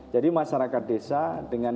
jadi masyarakat desa dengan